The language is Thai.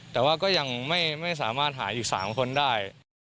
แต่ว่าก็ยังไม่สามารถหาอยู่๓คนได้